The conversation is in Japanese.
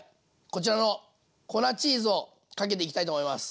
こちらの粉チーズをかけていきたいと思います。